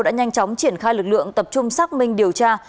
đã nhanh chóng triển khai lực lượng tập trung xác minh điều tra